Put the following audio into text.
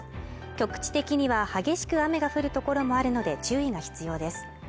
局地的には激しく雨が降る所もあるので注意が必要です